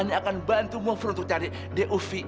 ada akan bantu maaf untuk cari d o v